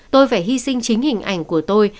tôi phải hy sinh chính hình ảnh của tôi